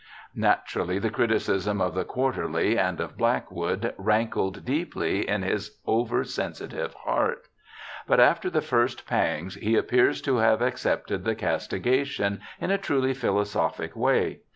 Naturally the criticism of the Quarterly and o{ Black JOHN KEATS 45 wood rankled deeply in his over sensitive heart, but after the first pangs he appears to have accepted the castigation in a truly philosophic way.